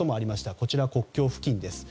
こちらは国境付近です。